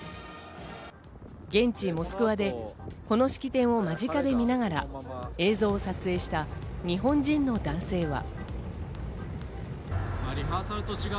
現地モスクワでこの式典を間近で見ながら映像を撮影した日本人の男性は。